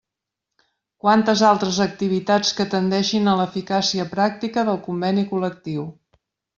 Quantes altres activitats que tendeixin a l'eficàcia pràctica del Conveni col·lectiu.